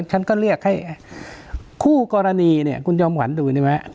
ฉันก็เรียกให้คู่กรณีเนี่ยคุณจอมขวัญดูนี่ไหม